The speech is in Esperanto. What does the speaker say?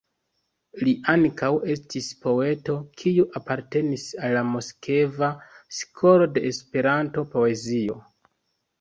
Li ankaŭ estis poeto, kiu apartenis al la Moskva skolo de Esperanto-poezio.